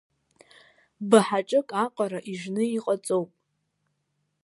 Баҳаҿык аҟара ижны иҟаҵоуп.